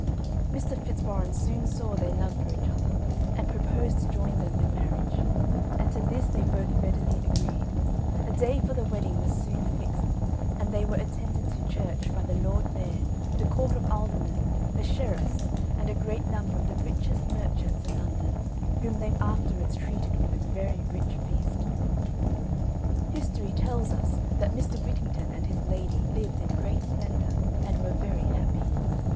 Mr. Fitzwarren soon saw their love for each other, and proposed to join them in marriage; and to this they both readily agreed. A day for the wedding was soon fixed; and they were attended to church by the Lord Mayor, the court of aldermen, the sheriffs, and a great number of the richest merchants in London, whom they afterwards treated with a very rich feast. History tells us that Mr. Whittington and his lady liven in great splendour, and were very happy.